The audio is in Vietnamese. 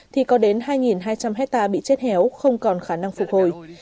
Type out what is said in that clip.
thì có đến hai hai trăm linh hectare bị chết héo không còn khả năng phục hồi